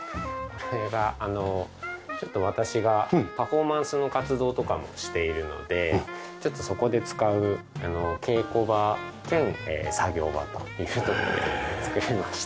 これはあのちょっと私がパフォーマンスの活動とかもしているのでちょっとそこで使う稽古場兼作業場というふうに造りました。